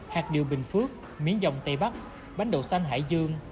hạt điều bình phước miếng dòng tây bắc bánh đậu xanh hải dương